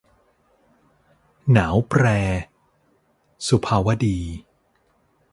หนาวแปร - สุภาวดี